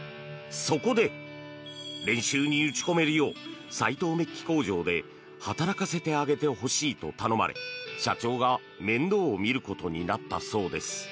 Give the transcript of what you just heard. そこで練習に打ち込めるよう斎藤鍍金工場で働かせてあげてほしいと頼まれ社長が面倒を見ることになったそうです。